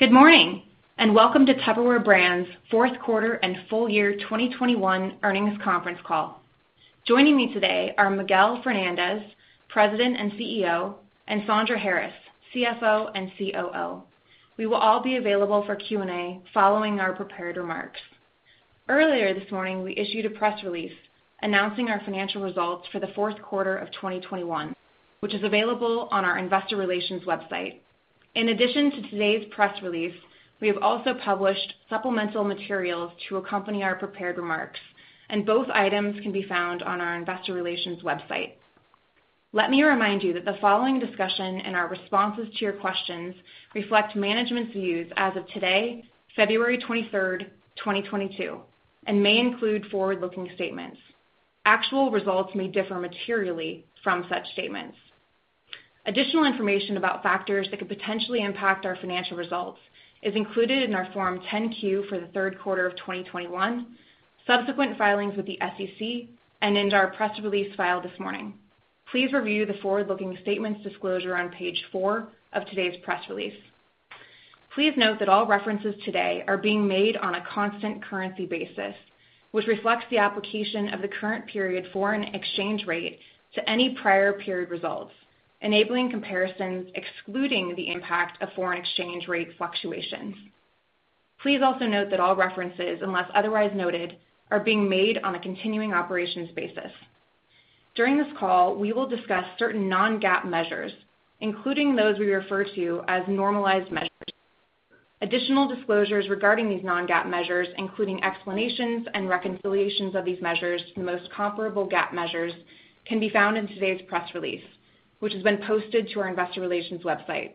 Good morning, and welcome to Tupperware Brands' fourth quarter and full year 2021 earnings conference call. Joining me today are Miguel Fernandez, President and CEO, and Sandra Harris, CFO and COO. We will all be available for Q&A following our prepared remarks. Earlier this morning, we issued a press release announcing our financial results for the fourth quarter of 2021, which is available on our investor relations website. In addition to today's press release, we have also published supplemental materials to accompany our prepared remarks, and both items can be found on our investor relations website. Let me remind you that the following discussion and our responses to your questions reflect management's views as of today, February 23, 2022, and may include forward-looking statements. Actual results may differ materially from such statements. Additional information about factors that could potentially impact our financial results is included in our Form 10-Q for the third quarter of 2021, subsequent filings with the SEC, and in our press release filed this morning. Please review the forward-looking statements disclosure on page four of today's press release. Please note that all references today are being made on a constant currency basis, which reflects the application of the current period foreign exchange rate to any prior period results, enabling comparisons excluding the impact of foreign exchange rate fluctuations. Please also note that all references, unless otherwise noted, are being made on a continuing operations basis. During this call, we will discuss certain non-GAAP measures, including those we refer to as normalized measures. Additional disclosures regarding these non-GAAP measures, including explanations and reconciliations of these measures to the most comparable GAAP measures, can be found in today's press release, which has been posted to our investor relations website.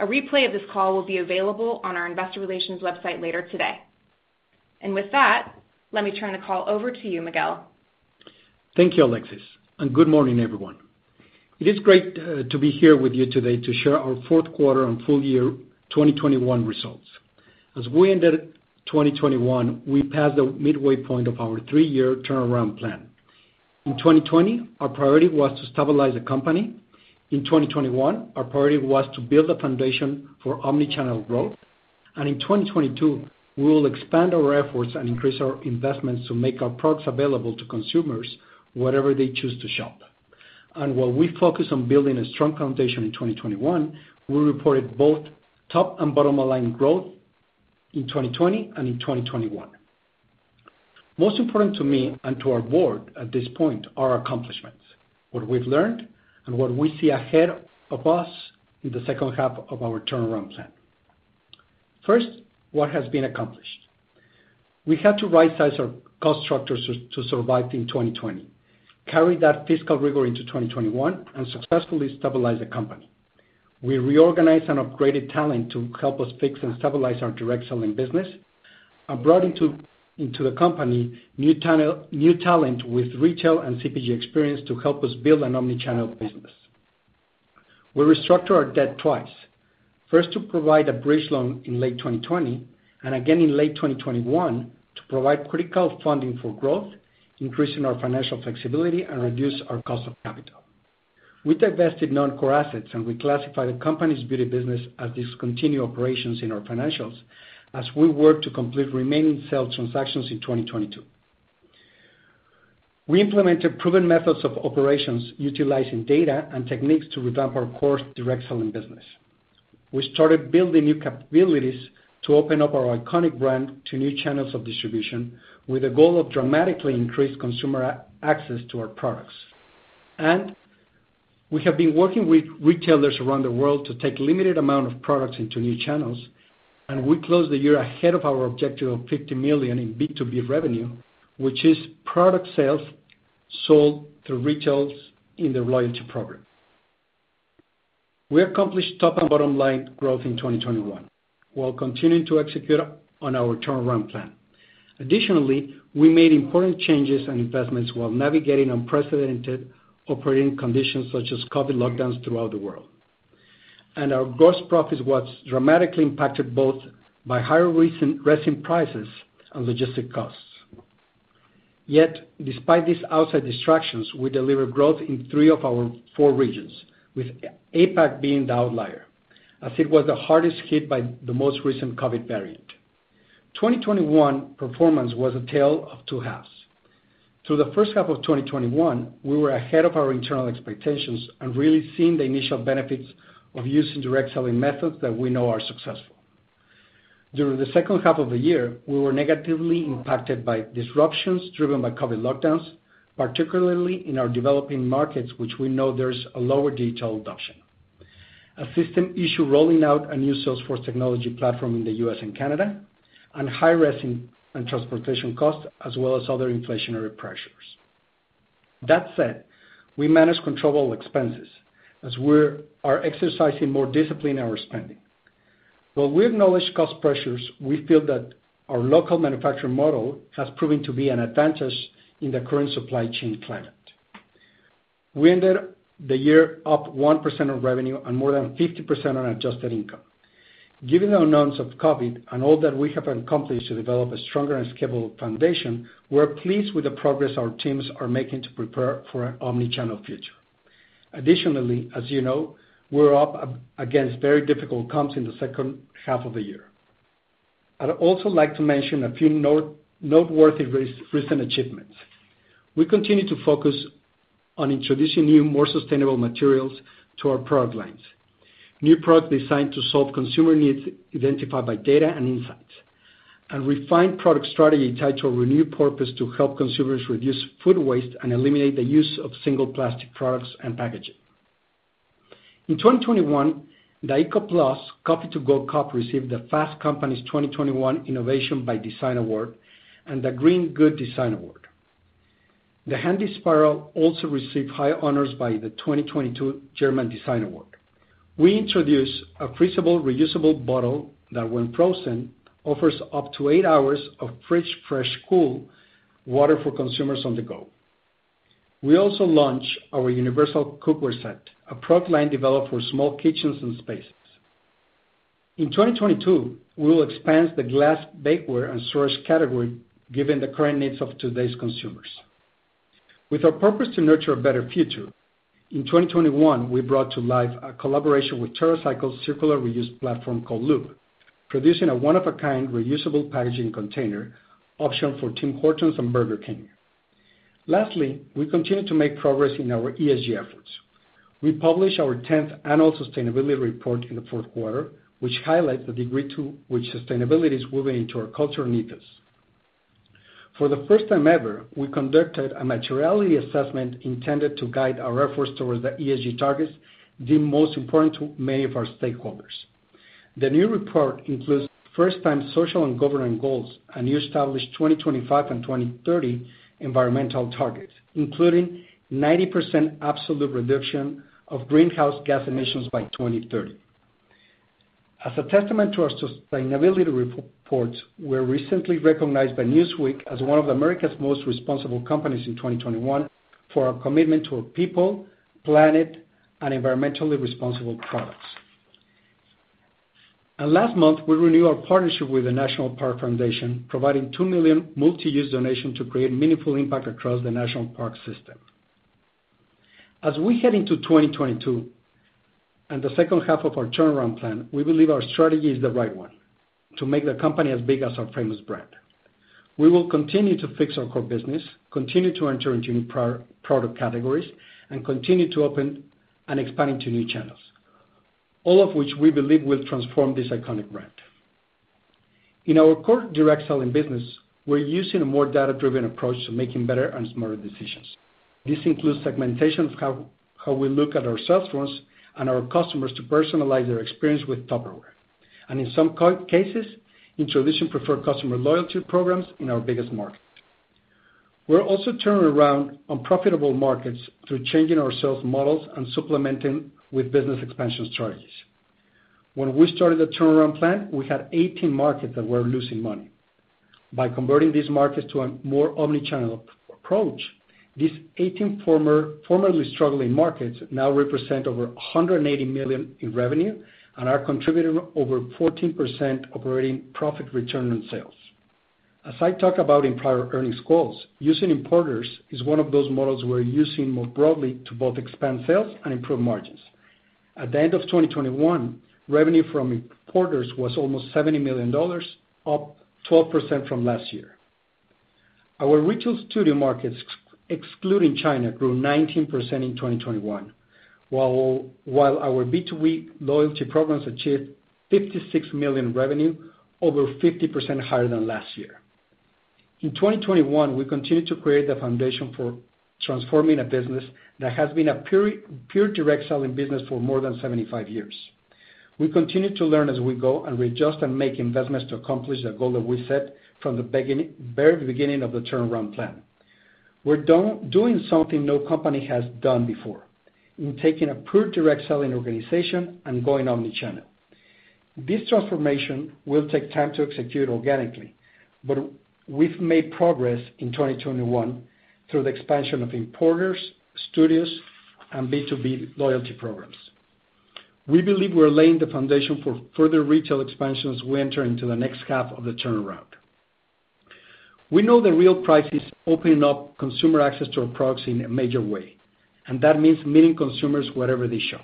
A replay of this call will be available on our investor relations website later today. With that, let me turn the call over to you, Miguel. Thank you, Hector Lezama, and good morning, everyone. It is great to be here with you today to share our fourth quarter and full year 2021 results. As we ended 2021, we passed the midway point of our three-year turnaround plan. In 2020, our priority was to stabilize the company. In 2021, our priority was to build a foundation for omni-channel growth. In 2022, we will expand our efforts and increase our investments to make our products available to consumers wherever they choose to shop. While we focused on building a strong foundation in 2021, we reported both top and bottom line growth in 2020 and in 2021. Most important to me and to our board at this point are our accomplishments, what we've learned, and what we see ahead of us in the second half of our turnaround plan. First, what has been accomplished. We had to rightsize our cost structures to survive in 2020, carry that fiscal rigor into 2021, and successfully stabilize the company. We reorganized and upgraded talent to help us fix and stabilize our direct selling business and brought into the company new talent with retail and CPG experience to help us build an omni-channel business. We restructured our debt twice. First to provide a bridge loan in late 2020, and again in late 2021 to provide critical funding for growth, increasing our financial flexibility, and reduce our cost of capital. We divested non-core assets, and we classified the company's beauty business as discontinued operations in our financials as we work to complete remaining sales transactions in 2022. We implemented proven methods of operations utilizing data and techniques to revamp our core direct selling business. We started building new capabilities to open up our iconic brand to new channels of distribution with the goal of dramatically increased consumer access to our products. We have been working with retailers around the world to take limited amount of products into new channels, and we closed the year ahead of our objective of $50 million in B2B revenue, which is product sales sold through retailers in the loyalty program. We accomplished top and bottom line growth in 2021, while continuing to execute on our turnaround plan. Additionally, we made important changes and investments while navigating unprecedented operating conditions such as COVID lockdowns throughout the world. Our gross profits was dramatically impacted both by higher resin prices and logistics costs. Yet, despite these outside distractions, we delivered growth in three of our four regions, with APAC being the outlier, as it was the hardest hit by the most recent COVID variant. 2021 performance was a tale of two halves. Through the first half of 2021, we were ahead of our internal expectations and really seeing the initial benefits of using direct selling methods that we know are successful. During the second half of the year, we were negatively impacted by disruptions driven by COVID lockdowns, particularly in our developing markets, which we know there's a lower digital adoption, a system issue rolling out a new Salesforce technology platform in the U.S. and Canada, and high resin and transportation costs, as well as other inflationary pressures. That said, we managed controllable expenses as we are exercising more discipline in our spending. While we acknowledge cost pressures, we feel that our local manufacturing model has proven to be an advantage in the current supply chain climate. We ended the year up 1% of revenue and more than 50% on adjusted income. Given the unknowns of COVID and all that we have accomplished to develop a stronger and scalable foundation, we're pleased with the progress our teams are making to prepare for an omni-channel future. Additionally, as you know, we're up against very difficult comps in the second half of the year. I'd also like to mention a few noteworthy recent achievements. We continue to focus on introducing new, more sustainable materials to our product lines. New products designed to solve consumer needs identified by data and insights, and refined product strategy tied to a renewed purpose to help consumers reduce food waste and eliminate the use of single plastic products and packaging. In 2021, the ECO+ coffee to-go cup received the Fast Company's 2021 Innovation by Design award and the Green Good Design Award. The Handy Spiral also received high honors by the 2022 German Design Award. We introduced a freezable reusable bottle that, when frozen, offers up to eight hours of fridge-fresh cool water for consumers on the go. We also launched our universal cookware set, a product line developed for small kitchens and spaces. In 2022, we will expand the glass bakeware and storage category given the current needs of today's consumers. With our purpose to nurture a better future, in 2021, we brought to life a collaboration with TerraCycle's circular reuse platform called Loop, producing a one-of-a-kind reusable packaging container option for Tim Hortons and Burger King. Lastly, we continue to make progress in our ESG efforts. We published our 10th annual sustainability report in the fourth quarter, which highlights the degree to which sustainability is woven into our culture and ethos. For the first time ever, we conducted a materiality assessment intended to guide our efforts towards the ESG targets the most important to many of our stakeholders. The new report includes first-time social and governing goals and new established 2025 and 2030 environmental targets, including 90% absolute reduction of greenhouse gas emissions by 2030. As a testament to our sustainability reports, we're recently recognized by Newsweek as one ofAmerica's Most Responsible Companies in 2021 for our commitment to our people, planet, and environmentally responsible products. Last month, we renewed our partnership with the National Park Foundation, providing $2 million multi-use donation to create meaningful impact across the National Park System. As we head into 2022 and the second half of our turnaround plan, we believe our strategy is the right one to make the company as big as our famous brand. We will continue to fix our core business, continue to enter into new product categories, and continue to open and expand into new channels, all of which we believe will transform this iconic brand. In our core direct selling business, we're using a more data-driven approach to making better and smarter decisions. This includes segmentation of how we look at our sales force and our customers to personalize their experience with Tupperware, and in some cases, introducing preferred customer loyalty programs in our biggest market. We're also turning around unprofitable markets through changing our sales models and supplementing with business expansion strategies. When we started the turnaround plan, we had 18 markets that were losing money. By converting these markets to a more omni-channel approach, these 18 formerly struggling markets now represent over $180 million in revenue and are contributing over 14% operating profit return on sales. As I talked about in prior earnings calls, using importers is one of those models we're using more broadly to both expand sales and improve margins. At the end of 2021, revenue from importers was almost $70 million, up 12% from last year. Our retail studio markets, excluding China, grew 19% in 2021, while our B2B loyalty programs achieved $56 million revenue, over 50% higher than last year. In 2021, we continued to create the foundation for transforming a business that has been a pure direct selling business for more than 75 years. We continue to learn as we go, and we adjust and make investments to accomplish the goal that we set from the very beginning of the turnaround plan. We're doing something no company has done before in taking a pure direct selling organization and going omni-channel. This transformation will take time to execute organically, but we've made progress in 2021 through the expansion of importers, studios, and B2B loyalty programs. We believe we're laying the foundation for further retail expansion as we enter into the next half of the turnaround. We know the real price is opening up consumer access to our products in a major way, and that means meeting consumers wherever they shop.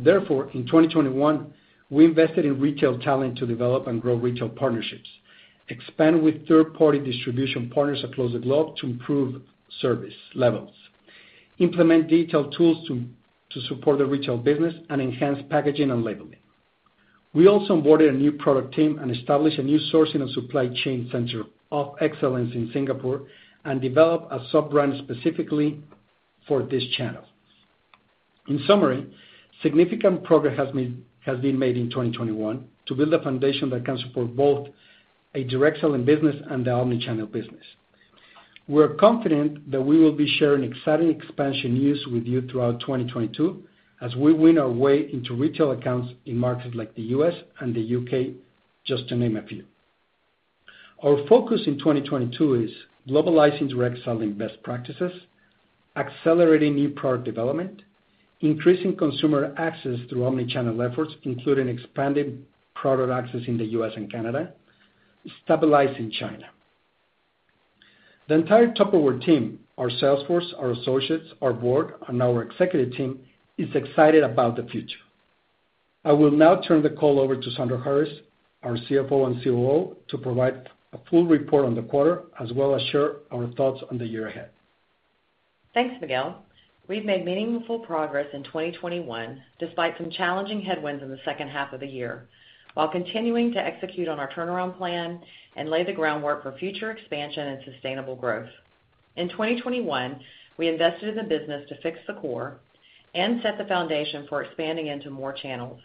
Therefore, in 2021, we invested in retail talent to develop and grow retail partnerships, expand with third-party distribution partners across the globe to improve service levels, implement digital tools to support the retail business, and enhance packaging and labeling. We also onboarded a new product team and established a new sourcing and supply chain center of excellence in Singapore and developed a sub-brand specifically for this channel. In summary, significant progress has been made in 2021 to build a foundation that can support both a direct selling business and the omni-channel business. We're confident that we will be sharing exciting expansion news with you throughout 2022 as we win our way into retail accounts in markets like the U.S. and the U.K., just to name a few. Our focus in 2022 is globalizing direct selling best practices, accelerating new product development, increasing consumer access through omni-channel efforts, including expanding product access in the U.S. and Canada, stabilizing China. The entire Tupperware team, our sales force, our associates, our board, and our executive team is excited about the future. I will now turn the call over to Sandra Harris, our CFO and COO, to provide a full report on the quarter as well as share our thoughts on the year ahead. Thanks, Miguel. We've made meaningful progress in 2021 despite some challenging headwinds in the second half of the year, while continuing to execute on our turnaround plan and lay the groundwork for future expansion and sustainable growth. In 2021, we invested in the business to fix the core and set the foundation for expanding into more channels.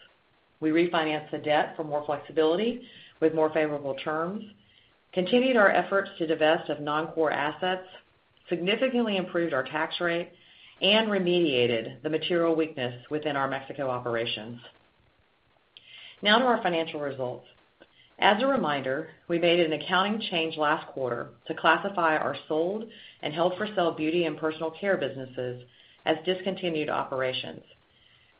We refinanced the debt for more flexibility with more favorable terms, continued our efforts to divest of non-core assets, significantly improved our tax rate, and remediated the material weakness within our Mexico operations. Now to our financial results. As a reminder, we made an accounting change last quarter to classify our sold and held-for-sale beauty and personal care businesses as discontinued operations,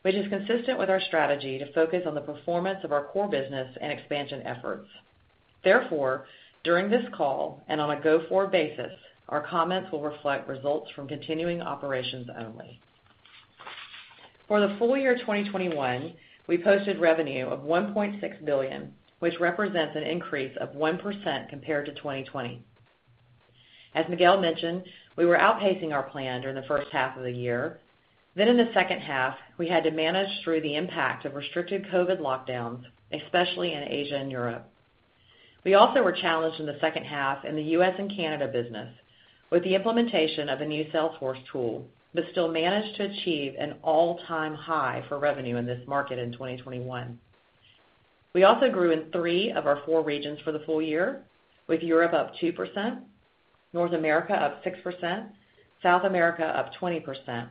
which is consistent with our strategy to focus on the performance of our core business and expansion efforts. Therefore, during this call and on a go-forward basis, our comments will reflect results from continuing operations only. For the full year 2021, we posted revenue of $1.6 billion, which represents an increase of 1% compared to 2020. As Miguel mentioned, we were outpacing our plan during the first half of the year. In the second half, we had to manage through the impact of restricted COVID lockdowns, especially in Asia and Europe. We also were challenged in the second half in the U.S. and Canada business with the implementation of a new Salesforce tool, but still managed to achieve an all-time high for revenue in this market in 2021. We also grew in three of our four regions for the full year, with Europe up 2%, North America up 6%, South America up 20%, and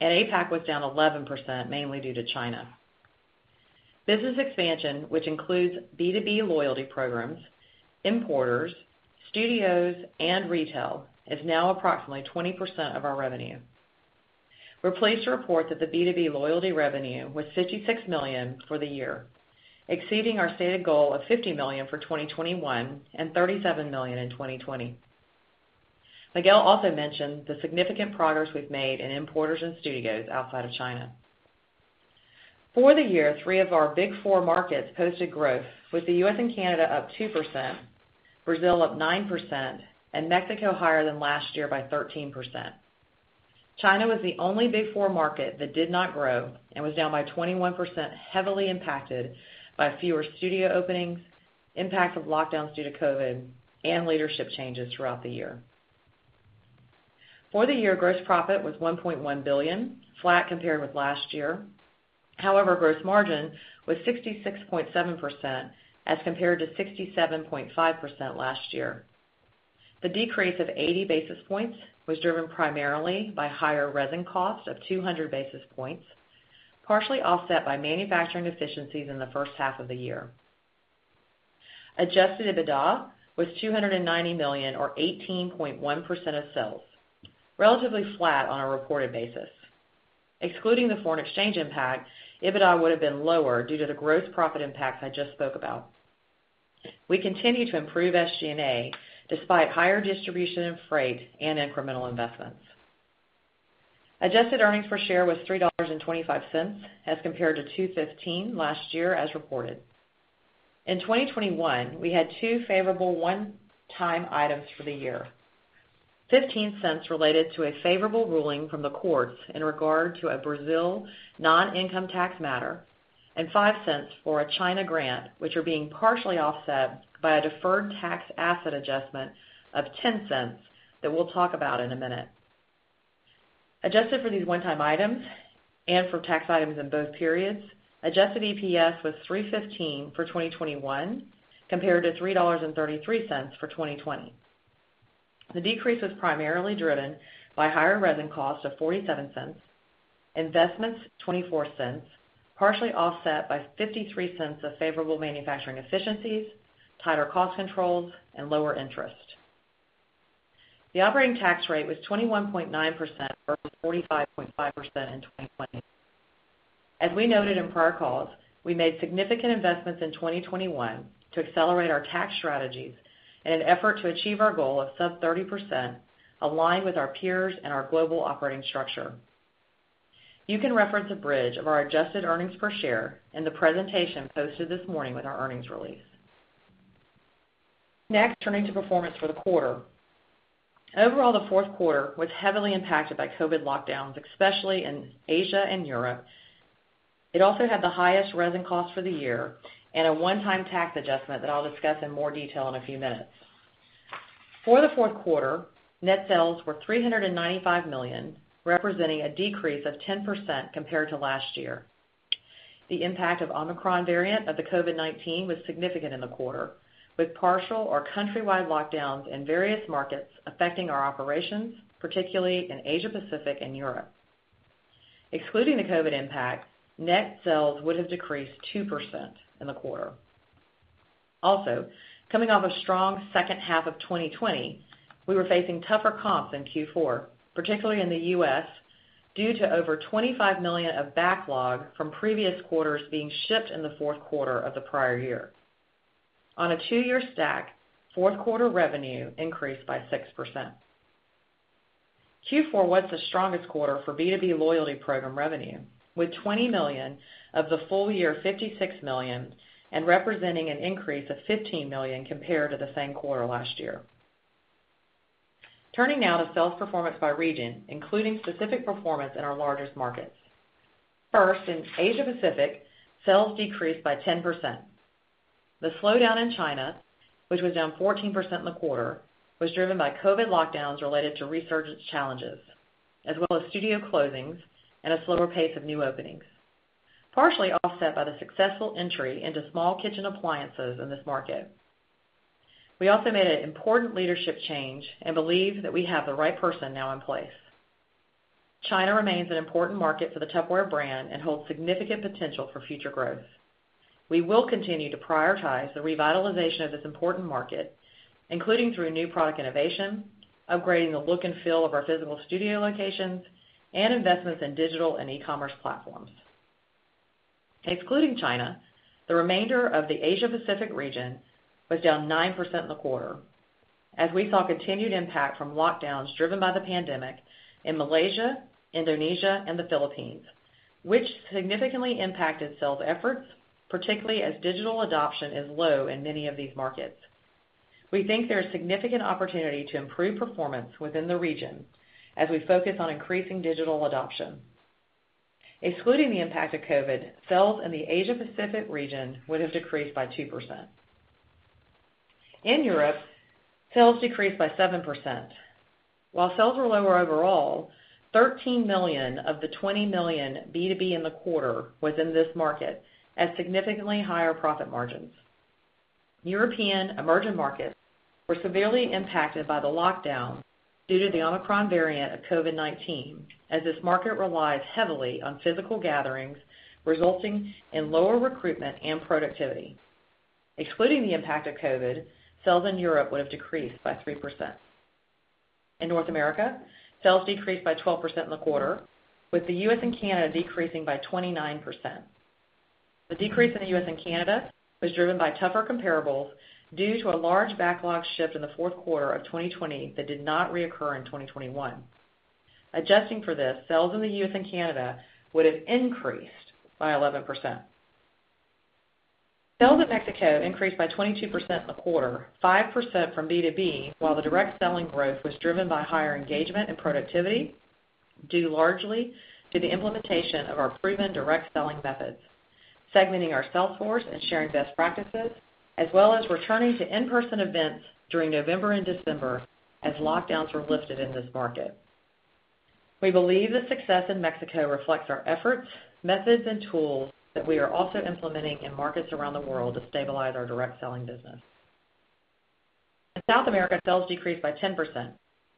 APAC was down 11%, mainly due to China. Business expansion, which includes B2B loyalty programs, importers, studios, and retail, is now approximately 20% of our revenue. We're pleased to report that the B2B loyalty revenue was $56 million for the year, exceeding our stated goal of $50 million for 2021 and $37 million in 2020. Miguel also mentioned the significant progress we've made in importers and studios outside of China. For the year, three of our big four markets posted growth, with the U.S. and Canada up 2%, Brazil up 9%, and Mexico higher than last year by 13%. China was the only big four market that did not grow and was down by 21%, heavily impacted by fewer studio openings, impact of lockdowns due to COVID, and leadership changes throughout the year. For the year, gross profit was $1.1 billion, flat compared with last year. However, gross margin was 66.7% as compared to 67.5% last year. The decrease of 80 basis points was driven primarily by higher resin costs of 200 basis points, partially offset by manufacturing efficiencies in the first half of the year. Adjusted EBITDA was $290 million or 18.1% of sales, relatively flat on a reported basis. Excluding the foreign exchange impact, EBITDA would have been lower due to the gross profit impacts I just spoke about. We continue to improve SG&A despite higher distribution and freight and incremental investments. Adjusted earnings per share was $3.25 as compared to $2.15 last year as reported. In 2021, we had 2 favorable one-time items for the year. $0.15 related to a favorable ruling from the courts in regard to a Brazil non-income tax matter and $0.05 for a China grant, which are being partially offset by a deferred tax asset adjustment of $0.10 that we'll talk about in a minute. Adjusted for these one-time items and for tax items in both periods, adjusted EPS was $3.15 for 2021 compared to $3.33 for 2020. The decrease was primarily driven by higher resin costs of $0.47, investments $0.24, partially offset by $0.53 of favorable manufacturing efficiencies, tighter cost controls, and lower interest. The operating tax rate was 21.9% versus 45.5% in 2020. As we noted in prior calls, we made significant investments in 2021 to accelerate our tax strategies in an effort to achieve our goal of sub 30% aligned with our peers and our global operating structure. You can reference a bridge of our adjusted earnings per share in the presentation posted this morning with our earnings release. Next, turning to performance for the quarter. Overall, the fourth quarter was heavily impacted by COVID lockdowns, especially in Asia and Europe. It also had the highest resin cost for the year and a one-time tax adjustment that I'll discuss in more detail in a few minutes. For the fourth quarter, net sales were $395 million, representing a decrease of 10% compared to last year. The impact of Omicron variant of the COVID-19 was significant in the quarter, with partial or country-wide lockdowns in various markets affecting our operations, particularly in Asia Pacific and Europe. Excluding the COVID impact, net sales would have decreased 2% in the quarter. Also, coming off a strong second half of 2020, we were facing tougher comps in Q4, particularly in the U.S. Due to over $25 million of backlog from previous quarters being shipped in the fourth quarter of the prior year. On a two-year stack, fourth quarter revenue increased by 6%. Q4 was the strongest quarter for B2B loyalty program revenue, with $20 million of the full year $56 million and representing an increase of $15 million compared to the same quarter last year. Turning now to sales performance by region, including specific performance in our largest markets. First, in Asia Pacific, sales decreased by 10%. The slowdown in China, which was down 14% in the quarter, was driven by COVID lockdowns related to resurgence challenges, as well as studio closings and a slower pace of new openings, partially offset by the successful entry into small kitchen appliances in this market. We also made an important leadership change and believe that we have the right person now in place. China remains an important market for the Tupperware brand and holds significant potential for future growth. We will continue to prioritize the revitalization of this important market, including through new product innovation, upgrading the look and feel of our physical studio locations, and investments in digital and e-commerce platforms. Excluding China, the remainder of the Asia Pacific region was down 9% in the quarter, as we saw continued impact from lockdowns driven by the pandemic in Malaysia, Indonesia, and the Philippines, which significantly impacted sales efforts, particularly as digital adoption is low in many of these markets. We think there is significant opportunity to improve performance within the region as we focus on increasing digital adoption. Excluding the impact of COVID-19, sales in the Asia Pacific region would have decreased by 2%. In Europe, sales decreased by 7%. While sales were lower overall, $13 million of the $20 million B2B in the quarter was in this market at significantly higher profit margins. European emerging markets were severely impacted by the lockdown due to the Omicron variant of COVID-19, as this market relies heavily on physical gatherings, resulting in lower recruitment and productivity. Excluding the impact of COVID, sales in Europe would have decreased by 3%. In North America, sales decreased by 12% in the quarter, with the U.S. and Canada decreasing by 29%. The decrease in the U.S. and Canada was driven by tougher comparables due to a large backlog shift in the fourth quarter of 2020 that did not reoccur in 2021. Adjusting for this, sales in the U.S. and Canada would have increased by 11%. Sales in Mexico increased by 22% in the quarter, 5% from B2B, while the direct selling growth was driven by higher engagement and productivity, due largely to the implementation of our proven direct selling methods, segmenting our sales force and sharing best practices, as well as returning to in-person events during November and December as lockdowns were lifted in this market. We believe the success in Mexico reflects our efforts, methods, and tools that we are also implementing in markets around the world to stabilize our direct selling business. In South America, sales decreased by 10%.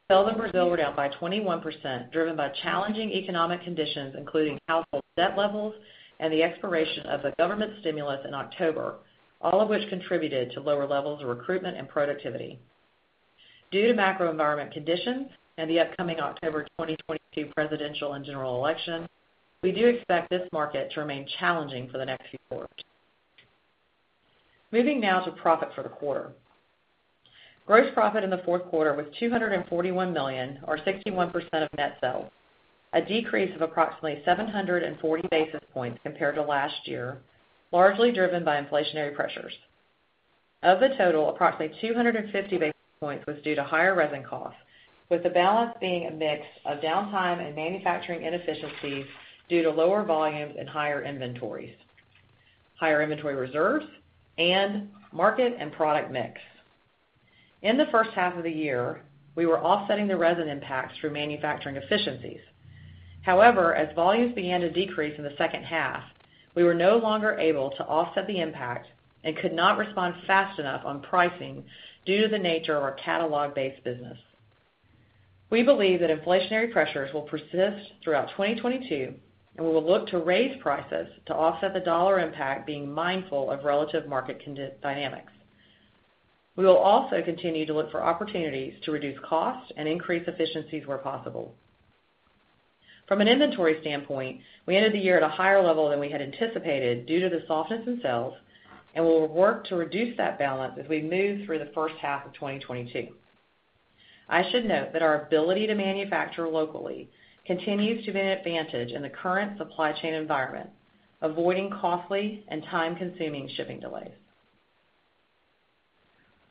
Sales in Brazil were down by 21%, driven by challenging economic conditions, including household debt levels and the expiration of the government stimulus in October, all of which contributed to lower levels of recruitment and productivity. Due to macro environment conditions and the upcoming October 2022 presidential and general election, we do expect this market to remain challenging for the next few quarters. Moving now to profit for the quarter. Gross profit in the fourth quarter was $241 million, or 61% of net sales, a decrease of approximately 740 basis points compared to last year, largely driven by inflationary pressures. Of the total, approximately 250 basis points was due to higher resin costs, with the balance being a mix of downtime and manufacturing inefficiencies due to lower volumes and higher inventories, higher inventory reserves, and market and product mix. In the first half of the year, we were offsetting the resin impacts through manufacturing efficiencies. However, as volumes began to decrease in the second half, we were no longer able to offset the impact and could not respond fast enough on pricing due to the nature of our catalog-based business. We believe that inflationary pressures will persist throughout 2022, and we will look to raise prices to offset the dollar impact being mindful of relative market dynamics. We will also continue to look for opportunities to reduce costs and increase efficiencies where possible. From an inventory standpoint, we ended the year at a higher level than we had anticipated due to the softness in sales, and we will work to reduce that balance as we move through the first half of 2022. I should note that our ability to manufacture locally continues to be an advantage in the current supply chain environment, avoiding costly and time-consuming shipping delays.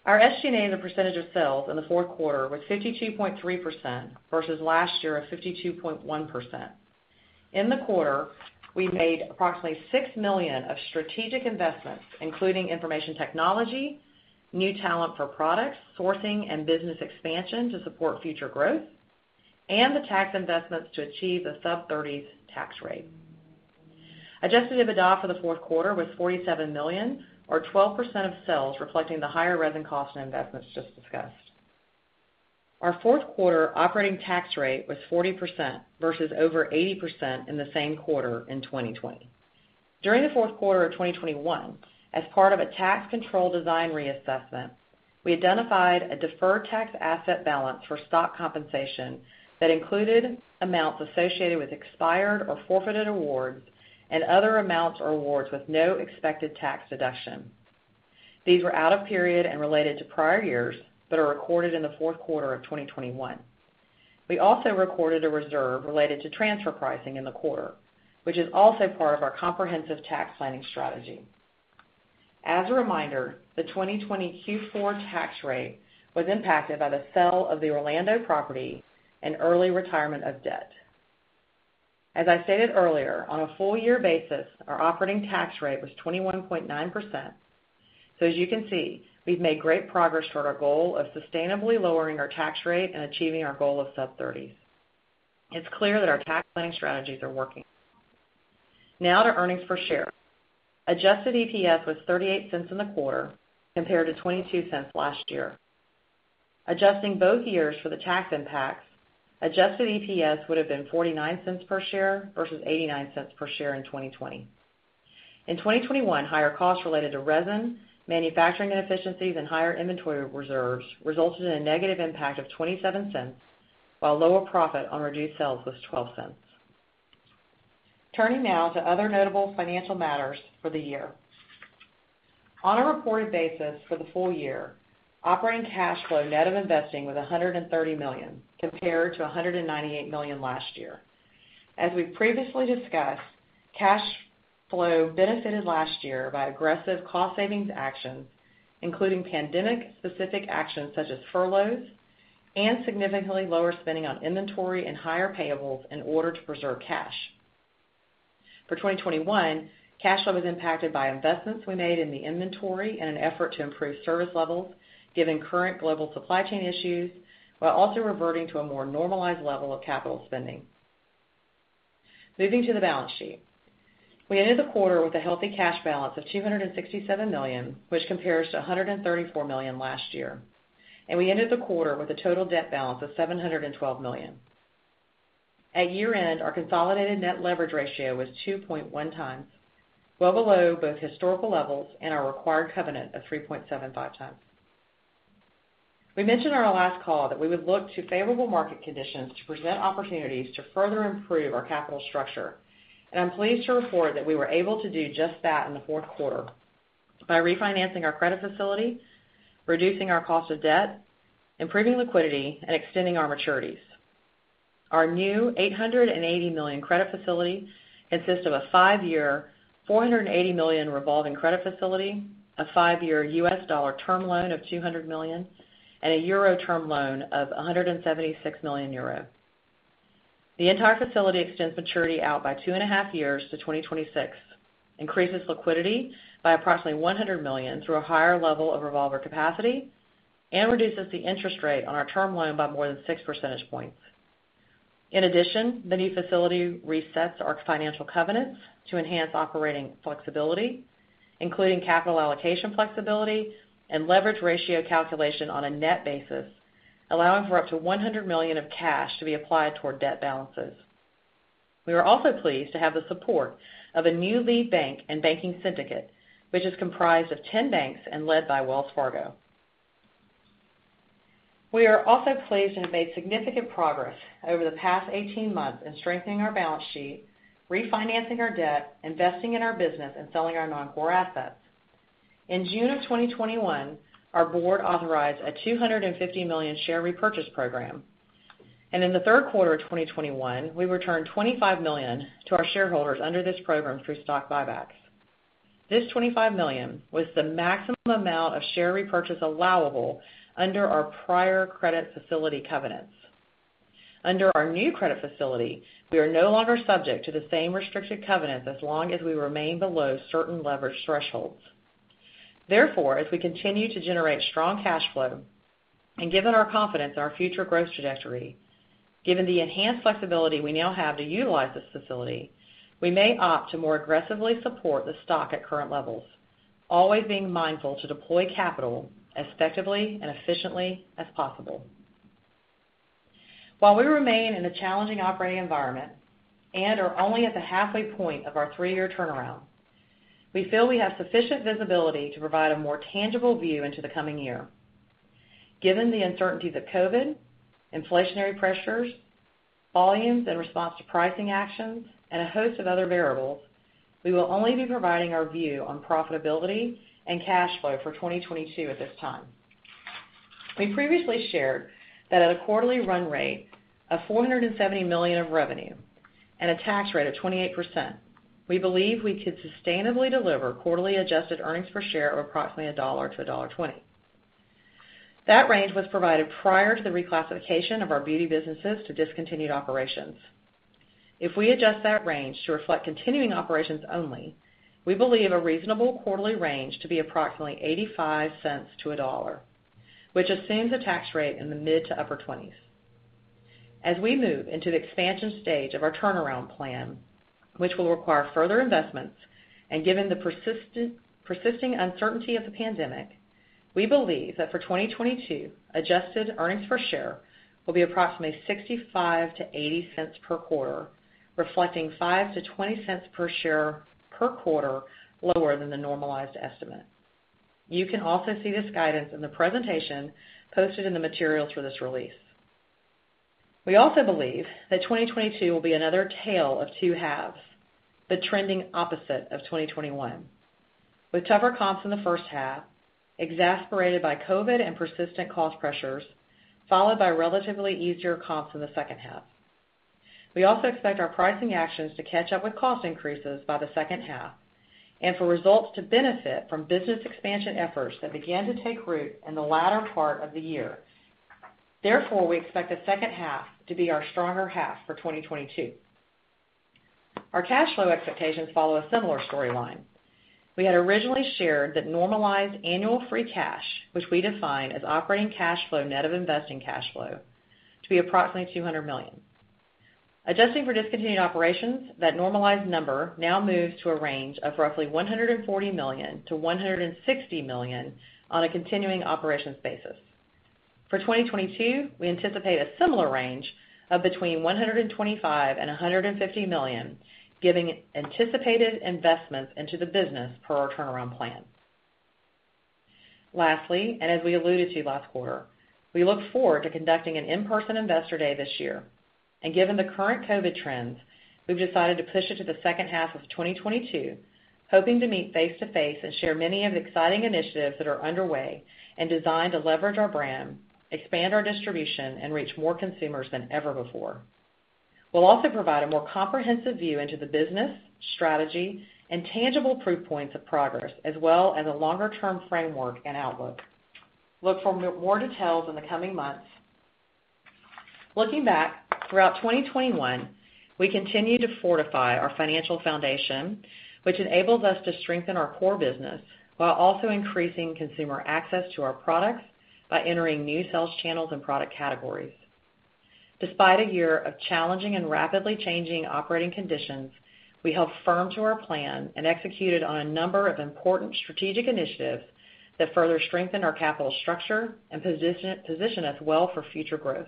Our SG&A as a percentage of sales in the fourth quarter was 52.3% versus last year of 52.1%. In the quarter, we made approximately $6 million of strategic investments, including information technology, new talent for products, sourcing and business expansion to support future growth, and the tax investments to achieve a sub-thirties tax rate. Adjusted EBITDA for the fourth quarter was $47 million or 12% of sales, reflecting the higher resin costs and investments just discussed. Our fourth-quarter operating tax rate was 40% versus over 80% in the same quarter in 2020. During the fourth quarter of 2021, as part of a tax control design reassessment, we identified a deferred tax asset balance for stock compensation that included amounts associated with expired or forfeited awards and other amounts or awards with no expected tax deduction. These were out of period and related to prior years, but are recorded in the fourth quarter of 2021. We also recorded a reserve related to transfer pricing in the quarter, which is also part of our comprehensive tax planning strategy. As a reminder, the 2020 Q4 tax rate was impacted by the sale of the Orlando property and early retirement of debt. As I stated earlier, on a full year basis, our operating tax rate was 21.9%. As you can see, we've made great progress toward our goal of sustainably lowering our tax rate and achieving our goal of sub-thirties. It's clear that our tax planning strategies are working. Now to earnings per share. Adjusted EPS was $0.38 in the quarter compared to $0.22 last year. Adjusting both years for the tax impacts, adjusted EPS would have been $0.49 per share versus $0.89 per share in 2020. In 2021, higher costs related to resin, manufacturing inefficiencies, and higher inventory reserves resulted in a negative impact of $0.27, while lower profit on reduced sales was $0.12. Turning now to other notable financial matters for the year. On a reported basis for the full year, operating cash flow net of investing was $130 million compared to $198 million last year. As we've previously discussed, cash flow benefited last year by aggressive cost savings actions, including pandemic-specific actions such as furloughs and significantly lower spending on inventory and higher payables in order to preserve cash. For 2021, cash flow was impacted by investments we made in the inventory in an effort to improve service levels, given current global supply chain issues, while also reverting to a more normalized level of capital spending. Moving to the balance sheet. We ended the quarter with a healthy cash balance of $267 million, which compares to $134 million last year, and we ended the quarter with a total debt balance of $712 million. At year-end, our consolidated net leverage ratio was 2.1 times, well below both historical levels and our required covenant of 3.75 times. We mentioned on our last call that we would look to favorable market conditions to present opportunities to further improve our capital structure. I'm pleased to report that we were able to do just that in the fourth quarter by refinancing our credit facility, reducing our cost of debt, improving liquidity, and extending our maturities. Our new $880 million credit facility consists of a five-year $480 million revolving credit facility, a five-year U.S. dollar term loan of $200 million, and a euro term loan of 176 million euro. The entire facility extends maturity out by 2.5 years to 2026, increases liquidity by approximately $100 million through a higher level of revolver capacity, and reduces the interest rate on our term loan by more than 6 percentage points. In addition, the new facility resets our financial covenants to enhance operating flexibility, including capital allocation flexibility and leverage ratio calculation on a net basis, allowing for up to $100 million of cash to be applied toward debt balances. We are also pleased to have the support of a new lead bank and banking syndicate, which is comprised of 10 banks and led by Wells Fargo. We are also pleased and have made significant progress over the past 18 months in strengthening our balance sheet, refinancing our debt, investing in our business, and selling our non-core assets. In June of 2021, our board authorized a $250 million share repurchase program. In the third quarter of 2021, we returned $25 million to our shareholders under this program through stock buybacks. This $25 million was the maximum amount of share repurchase allowable under our prior credit facility covenants. Under our new credit facility, we are no longer subject to the same restricted covenants as long as we remain below certain leverage thresholds. Therefore, as we continue to generate strong cash flow and given our confidence in our future growth trajectory, given the enhanced flexibility we now have to utilize this facility, we may opt to more aggressively support the stock at current levels, always being mindful to deploy capital as effectively and efficiently as possible. While we remain in a challenging operating environment and are only at the halfway point of our three-year turnaround, we feel we have sufficient visibility to provide a more tangible view into the coming year. Given the uncertainties of COVID, inflationary pressures, volumes in response to pricing actions, and a host of other variables, we will only be providing our view on profitability and cash flow for 2022 at this time. We previously shared that at a quarterly run rate of $470 million of revenue and a tax rate of 28%, we believe we could sustainably deliver quarterly adjusted earnings per share of approximately $1-$1.20. That range was provided prior to the reclassification of our beauty businesses to discontinued operations. If we adjust that range to reflect continuing operations only, we believe a reasonable quarterly range to be approximately $0.85-$1, which assumes a tax rate in the mid- to upper 20s%. As we move into the expansion stage of our turnaround plan, which will require further investments, and given the persisting uncertainty of the pandemic. We believe that for 2022, adjusted earnings per share will be approximately $0.65-$0.80 per share per quarter, reflecting $0.05-$0.20 per share per quarter lower than the normalized estimate. You can also see this guidance in the presentation posted in the materials for this release. We also believe that 2022 will be another tale of two halves, the trending opposite of 2021, with tougher comps in the first half, exacerbated by COVID and persistent cost pressures, followed by relatively easier comps in the second half. We also expect our pricing actions to catch up with cost increases by the second half and for results to benefit from business expansion efforts that began to take root in the latter part of the year. Therefore, we expect the second half to be our stronger half for 2022. Our cash flow expectations follow a similar storyline. We had originally shared that normalized annual free cash, which we define as operating cash flow net of investing cash flow, to be approximately 200 million. Adjusting for discontinued operations, that normalized number now moves to a range of roughly $140 million-$160 million on a continuing operations basis. For 2022, we anticipate a similar range of between $125 million and 150 million, giving anticipated investments into the business per our turnaround plan. Lastly, and as we alluded to last quarter, we look forward to conducting an in-person investor day this year. Given the current COVID trends, we've decided to push it to the second half of 2022, hoping to meet face to face and share many of the exciting initiatives that are underway and designed to leverage our brand, expand our distribution, and reach more consumers than ever before. We'll also provide a more comprehensive view into the business, strategy, and tangible proof points of progress, as well as a longer-term framework and outlook. Look for more details in the coming months. Looking back, throughout 2021, we continued to fortify our financial foundation, which enables us to strengthen our core business while also increasing consumer access to our products by entering new sales channels and product categories. Despite a year of challenging and rapidly changing operating conditions, we held firm to our plan and executed on a number of important strategic initiatives that further strengthen our capital structure and position us well for future growth.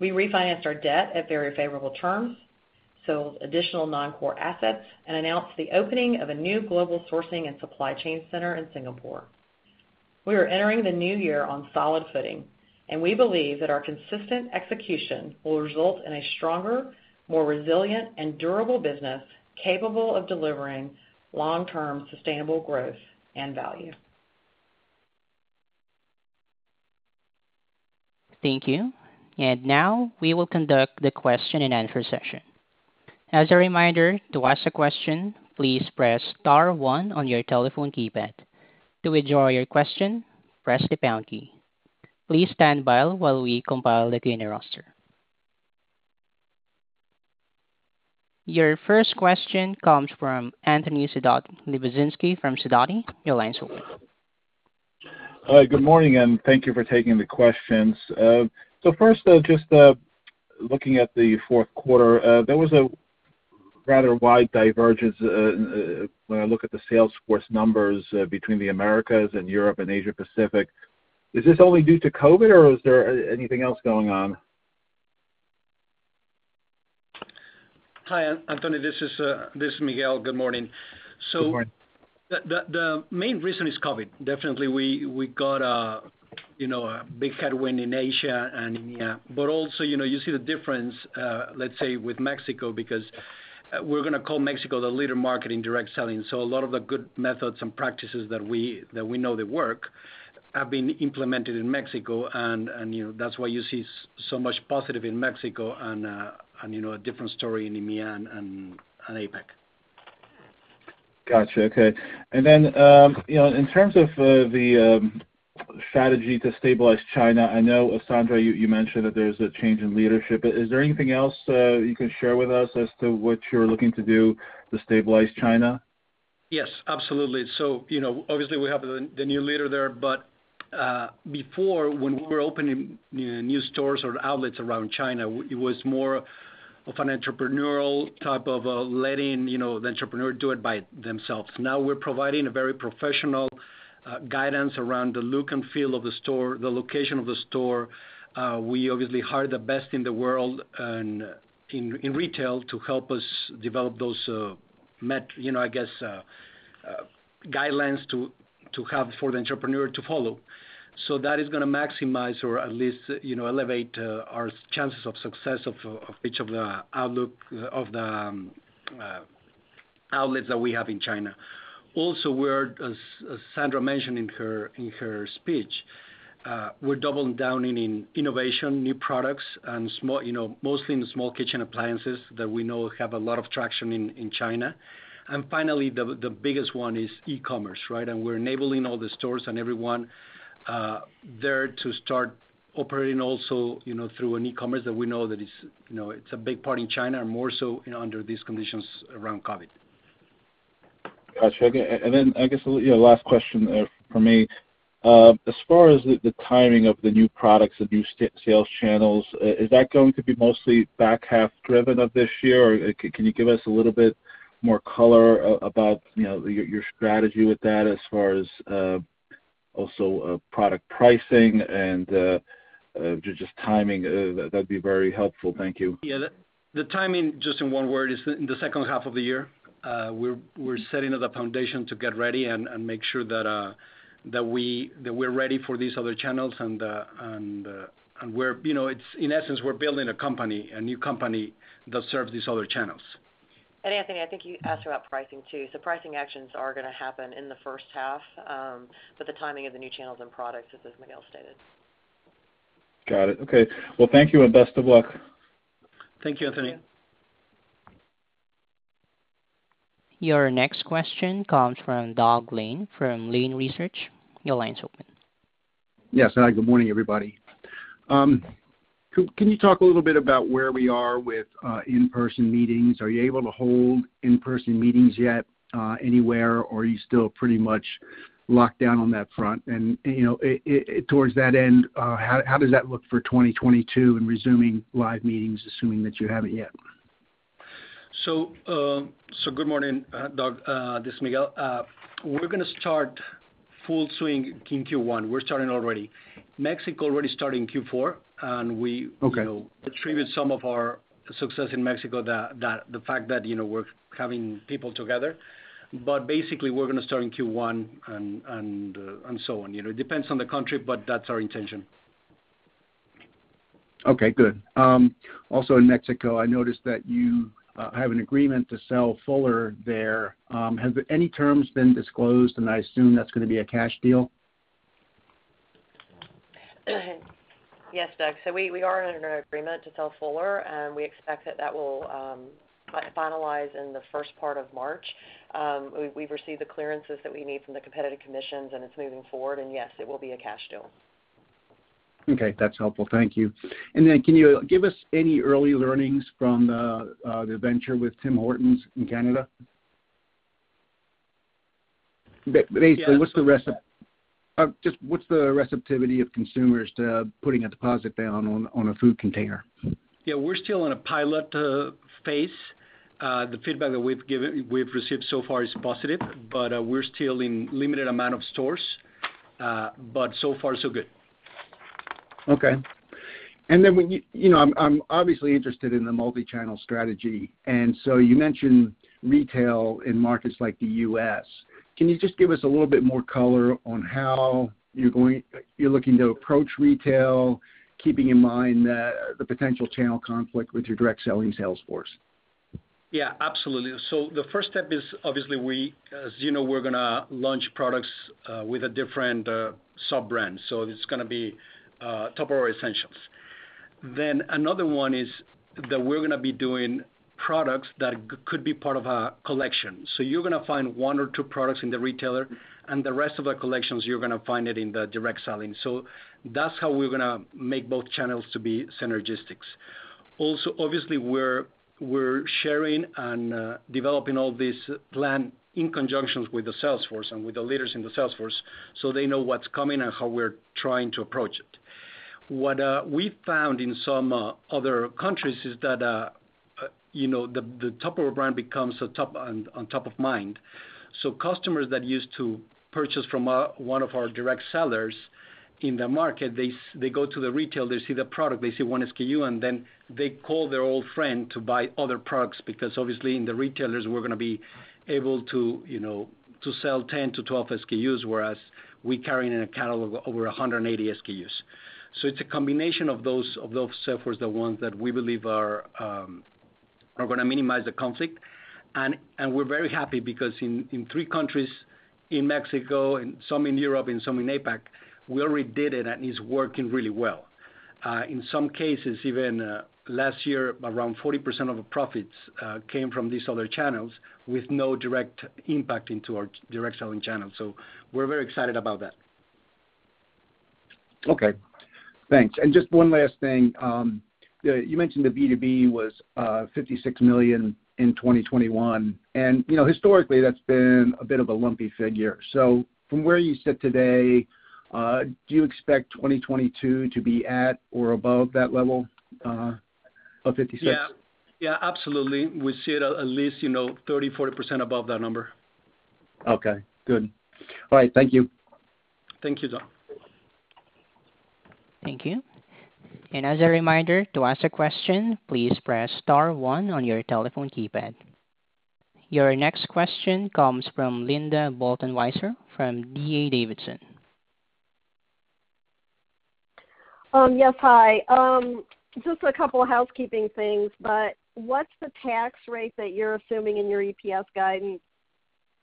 We refinanced our debt at very favorable terms, sold additional non-core assets, and announced the opening of a new global sourcing and supply chain center in Singapore. We are entering the new year on solid footing, and we believe that our consistent execution will result in a stronger, more resilient, and durable business capable of delivering long-term sustainable growth and value. Thank you. Now we will conduct the question and answer session. As a reminder, to ask a question, please press star one on your telephone keypad. To withdraw your question, press the pound key. Please stand by while we compile the attendee roster. Your first question comes from Anthony Lebiedzinski from Sidoti & Company. Your line's open. Good morning, and thank you for taking the questions. First, just looking at the fourth quarter, there was a rather wide divergence when I look at the sales force numbers between the Americas and Europe and Asia Pacific. Is this only due to COVID, or is there anything else going on? Hi, Anthony, this is Miguel. Good morning. Good morning. The main reason is COVID. Definitely we got you know a big headwind in Asia and in EMEA. Also, you know, you see the difference, let's say with Mexico, because we're gonna call Mexico the leading market in direct selling. A lot of the good methods and practices that we know that work have been implemented in Mexico and, you know, that's why you see so much positive in Mexico and, you know, a different story in EMEA and APAC. Gotcha. Okay. You know, in terms of the strategy to stabilize China, I know, Sandra, you mentioned that there's a change in leadership. Is there anything else you can share with us as to what you're looking to do to stabilize China? Yes, absolutely. You know, obviously we have the new leader there. Before, when we were opening, you know, new stores or outlets around China, it was more of an entrepreneurial type of letting, you know, the entrepreneur do it by themselves. Now we're providing a very professional guidance around the look and feel of the store, the location of the store. We obviously hire the best in the world and in retail to help us develop those, you know, I guess, guidelines to have for the entrepreneur to follow. That is gonna maximize or at least, you know, elevate our chances of success of each of the outlets that we have in China. Also, as Sandra mentioned in her speech, we're doubling down in innovation, new products and small, you know, mostly in the small kitchen appliances that we know have a lot of traction in China. Finally, the biggest one is e-commerce, right? We're enabling all the stores and everyone there to start operating also, you know, through an e-commerce that we know is, you know, it's a big part in China and more so, you know, under these conditions around COVID. Got you. And then I guess, you know, last question from me. As far as the timing of the new products, the new sales channels, is that going to be mostly back half driven of this year? Or can you give us a little bit more color about, you know, your strategy with that as far as Also, product pricing and just timing, that'd be very helpful. Thank you. Yeah, the timing, just in one word, is in the second half of the year. We're setting up the foundation to get ready and make sure that we're ready for these other channels, and, you know, it's in essence, we're building a company, a new company that serves these other channels. Anthony, I think you asked about pricing too. Pricing actions are gonna happen in the first half, but the timing of the new channels and products is as Miguel stated. Got it. Okay. Well, thank you and best of luck. Thank you, Anthony. Thank you. Your next question comes from Doug Lane from Lane Research. Your line's open. Yes. Hi, good morning, everybody. Can you talk a little bit about where we are with in-person meetings? Are you able to hold in-person meetings yet anywhere? Or are you still pretty much locked down on that front? Towards that end, how does that look for 2022 in resuming live meetings, assuming that you haven't yet? Good morning, Doug. This is Miguel. We're gonna start full swing in Q1. We're starting already. Mexico already started in Q4, and we- Okay you know, attribute some of our success in Mexico to the fact that, you know, we're having people together. Basically we're gonna start in Q1 and so on. You know, it depends on the country, but that's our intention. Okay. Good. Also in Mexico, I noticed that you have an agreement to sell Fuller there. Have any terms been disclosed? I assume that's gonna be a cash deal. Yes, Doug. We are under an agreement to sell Fuller, and we expect that will finalize in the first part of March. We've received the clearances that we need from the competition commissions, and it's moving forward. Yes, it will be a cash deal. Okay. That's helpful. Thank you. Can you give us any early learnings from the venture with Tim Hortons in Canada? Basically, just what's the receptivity of consumers to putting a deposit down on a food container? Yeah. We're still in a pilot phase. The feedback that we've received so far is positive, but we're still in limited amount of stores. But so far, so good. Okay. You know, I'm obviously interested in the multi-channel strategy. You mentioned retail in markets like the U.S. Can you just give us a little bit more color on how you're looking to approach retail, keeping in mind the potential channel conflict with your direct selling sales force? Yeah, absolutely. The first step is obviously we, as you know, we're gonna launch products with a different sub-brand. It's gonna be Tupperware Essentials. Another one is that we're gonna be doing products that could be part of a collection. You're gonna find one or two products in the retailer, and the rest of the collections, you're gonna find it in the direct selling. That's how we're gonna make both channels to be synergistic. Also, obviously, we're sharing and developing all this plan in conjunction with the sales force and with the leaders in the sales force so they know what's coming and how we're trying to approach it. What we found in some other countries is that, you know, the Tupperware brand becomes top of mind. Customers that used to purchase from one of our direct sellers in the market, they go to the retail, they see the product, they see one SKU, and then they call their old friend to buy other products because obviously in the retailers, we're gonna be able to, you know, to sell 10-12 SKUs, whereas we carry in a catalog over 180 SKUs. It's a combination of those sellers, the ones that we believe are gonna minimize the conflict. We're very happy because in three countries, in Mexico and some in Europe and some in APAC, we already did it and it's working really well. In some cases, even last year, around 40% of the profits came from these other channels with no direct impact into our direct selling channel. We're very excited about that. Okay. Thanks. Just one last thing. You mentioned the B2B was $56 million in 2021. You know, historically, that's been a bit of a lumpy figure. From where you sit today, do you expect 2022 to be at or above that level of $56 million? Yeah. Yeah, absolutely. We see it at least, you know, 30%-40% above that number. Okay. Good. All right. Thank you. Thank you, Doug. Thank you. As a reminder, to ask a question, please press star one on your telephone keypad. Your next question comes from Linda Bolton-Weiser from D.A. Davidson. Yes. Hi. Just a couple housekeeping things, but what's the tax rate that you're assuming in your EPS guidance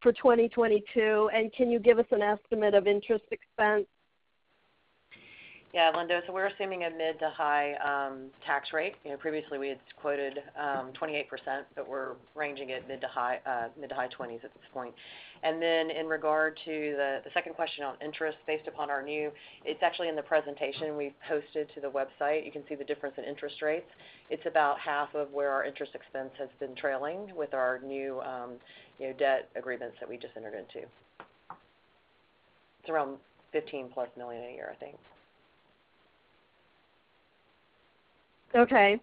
for 2022? And can you give us an estimate of interest expense? Yeah. Linda, we're assuming a mid- to high tax rate. You know, previously we had quoted 28%, but we're ranging it mid-20s to high 20s at this point. In regard to the second question on interest based upon our new, it's actually in the presentation we've posted to the website. You can see the difference in interest rates. It's about half of where our interest expense has been trailing with our new debt agreements that we just entered into. It's around $15+ million a year, I think. Okay.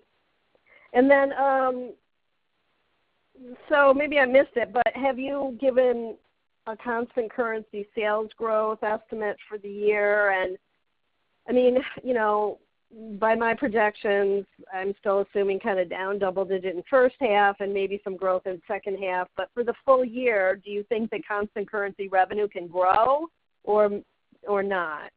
Maybe I missed it, but have you given a constant currency sales growth estimate for the year? I mean, you know, by my projections, I'm still assuming kind of down double digit in first half and maybe some growth in second half. For the full year, do you think that constant currency revenue can grow or not?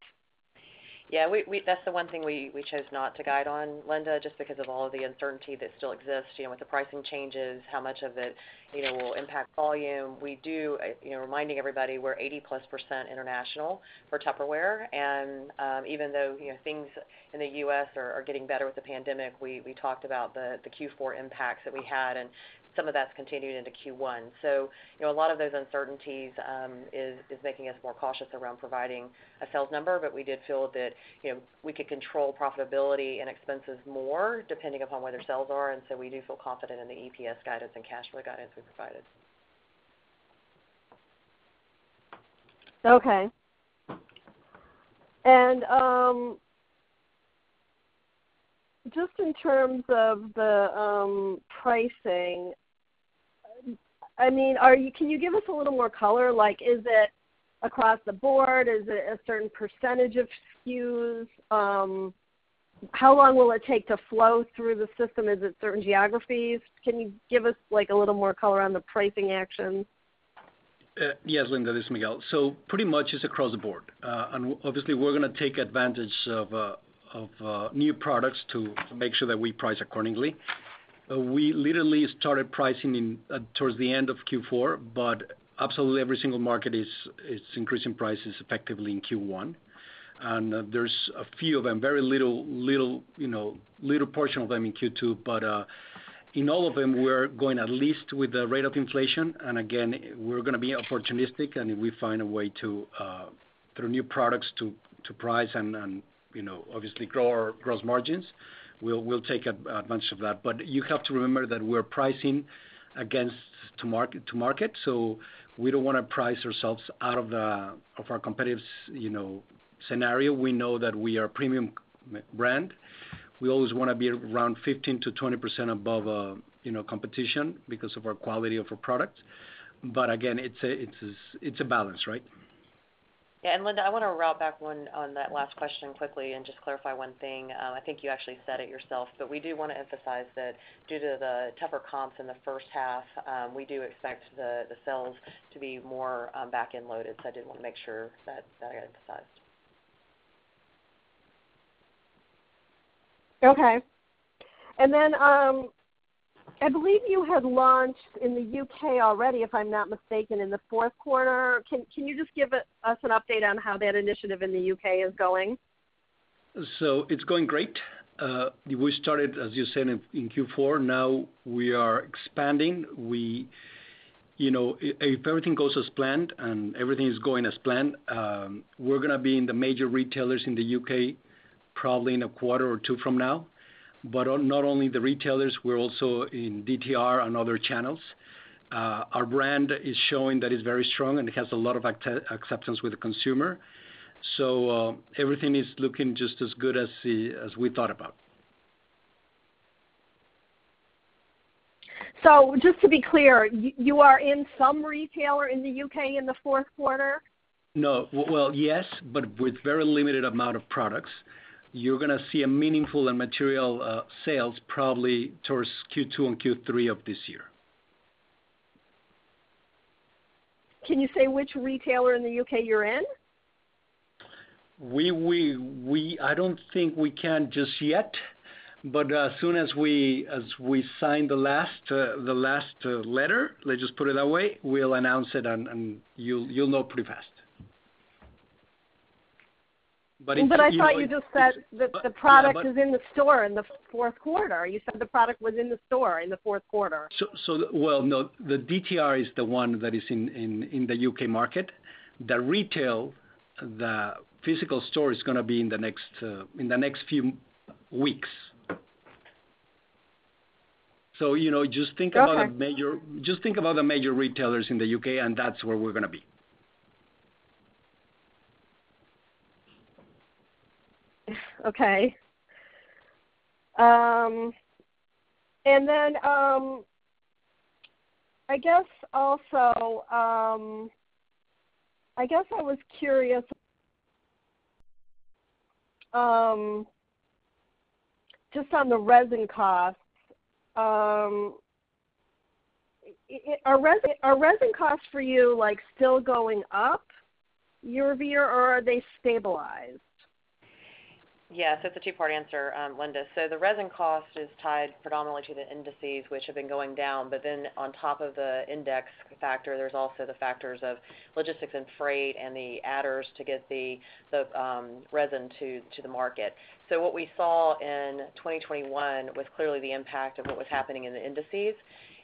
Yeah, that's the one thing we chose not to guide on, Linda, just because of all of the uncertainty that still exists, you know, with the pricing changes, how much of it, you know, will impact volume. We do, you know, reminding everybody we're 80-plus% international for Tupperware. Even though, you know, things in the U.S. are getting better with the pandemic, we talked about the Q4 impacts that we had and some of that's continuing into Q1. You know, a lot of those uncertainties is making us more cautious around providing a sales number. We did feel that, you know, we could control profitability and expenses more depending upon where their sales are, and so we do feel confident in the EPS guidance and cash flow guidance we provided. Okay. Just in terms of the pricing, I mean, can you give us a little more color, like, is it across the board? Is it a certain percentage of SKUs? How long will it take to flow through the system? Is it certain geographies? Can you give us, like, a little more color on the pricing action? Yes, Linda, this is Miguel. Pretty much it's across the board. Obviously we're gonna take advantage of new products to make sure that we price accordingly. We literally started pricing in towards the end of Q4, but absolutely every single market is increasing prices effectively in Q1. There's a few of them, very little, you know, little portion of them in Q2. In all of them, we're going at least with the rate of inflation. Again, we're gonna be opportunistic, and if we find a way to through new products to price and you know, obviously grow our gross margins, we'll take advantage of that. You have to remember that we're pricing against the market, so we don't wanna price ourselves out of our competitive, you know, scenario. We know that we are premium brand. We always wanna be around 15%-20% above, you know, competition because of our quality of our product. Again, it's a balance, right? Yeah. Linda, I wanna circle back on that last question quickly and just clarify one thing. I think you actually said it yourself, but we do wanna emphasize that due to the tougher comps in the first half, we do expect the sales to be more back-end loaded. I did wanna make sure that that got emphasized. Okay. I believe you had launched in the U.K. already, if I'm not mistaken, in the fourth quarter. Can you just give us an update on how that initiative in the U.K. is going? It's going great. We started, as you said, in Q4. Now we are expanding. You know, if everything goes as planned and everything is going as planned, we're gonna be in the major retailers in the U.K. probably in a quarter or two from now. But not only the retailers, we're also in DTR and other channels. Our brand is showing that it's very strong and it has a lot of acceptance with the consumer. Everything is looking just as good as we thought about. Just to be clear, you are in some retailer in the U.K. in the fourth quarter? No. Well, yes, but with very limited amount of products. You're gonna see a meaningful and material sales probably towards Q2 and Q3 of this year. Can you say which retailer in the U.K. you're in? We don't think we can just yet, but as soon as we sign the last letter, let's just put it that way, we'll announce it and you'll know pretty fast. But in- I thought you just said that the product. Yeah, but. is in the store in the fourth quarter. You said the product was in the store in the fourth quarter. Well, no, the DTR is the one that is in the U.K. market. The retail, the physical store is gonna be in the next few weeks. You know, just think about. Okay Just think about the major retailers in the U.K., and that's where we're gonna be. Okay. I guess also, I guess I was curious, just on the resin costs. Are resin costs for you, like, still going up year-over-year, or are they stabilized? Yeah. It's a two-part answer, Linda. The resin cost is tied predominantly to the indices which have been going down. On top of the index factor, there's also the factors of logistics and freight and the adders to get the resin to the market. What we saw in 2021 was clearly the impact of what was happening in the indices.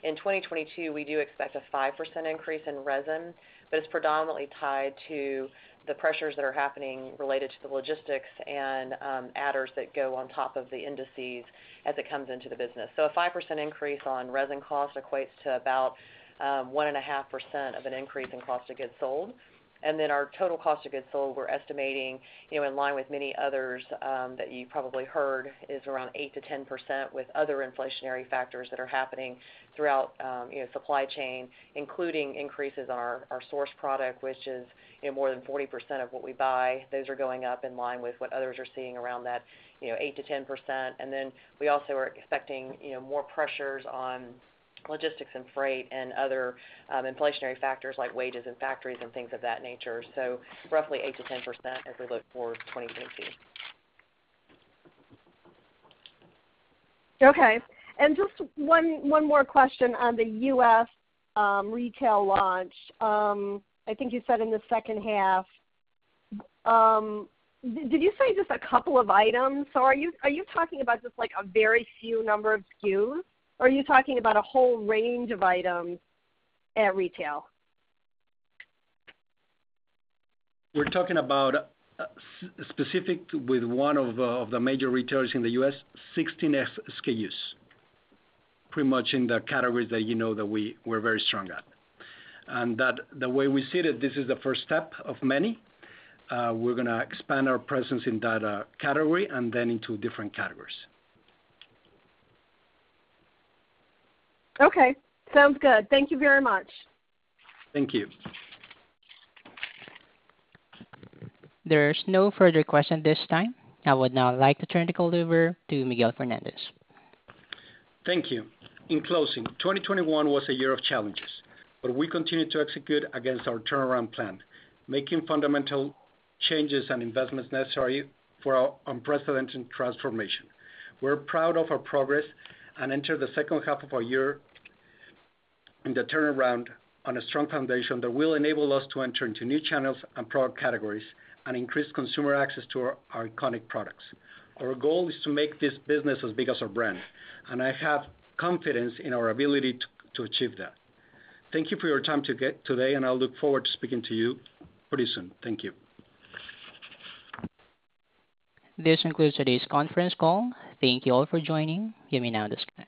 In 2022, we do expect a 5% increase in resin, but it's predominantly tied to the pressures that are happening related to the logistics and adders that go on top of the indices as it comes into the business. A 5% increase on resin cost equates to about 1.5% of an increase in cost of goods sold. Our total cost of goods sold, we're estimating, you know, in line with many others that you probably heard is around 8%-10% with other inflationary factors that are happening throughout, you know, supply chain, including increases on our sourced product, which is, you know, more than 40% of what we buy. Those are going up in line with what others are seeing around that, you know, 8%-10%. We also are expecting, you know, more pressures on logistics and freight and other inflationary factors like wages in factories and things of that nature. Roughly 8%-10% as we look towards 2022. Okay. Just one more question on the U.S. retail launch. I think you said in the second half. Did you say just a couple of items? Or are you talking about just like a very few number of SKUs? Or are you talking about a whole range of items at retail? We're talking about specifically with one of the major retailers in the U.S., 16 SKUs, pretty much in the categories that you know we're very strong at. The way we see that this is the first step of many, we're gonna expand our presence in that category and then into different categories. Okay. Sounds good. Thank you very much. Thank you. There's no further question at this time. I would now like to turn the call over to Miguel Fernandez. Thank you. In closing, 2021 was a year of challenges, but we continued to execute against our turnaround plan, making fundamental changes and investments necessary for our unprecedented transformation. We're proud of our progress and enter the second half of our year in the turnaround on a strong foundation that will enable us to enter into new channels and product categories and increase consumer access to our iconic products. Our goal is to make this business as big as our brand, and I have confidence in our ability to achieve that. Thank you for your time today, and I'll look forward to speaking to you pretty soon. Thank you. This concludes today's conference call. Thank you all for joining. You may now disconnect.